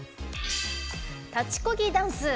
立ち漕ぎダンス。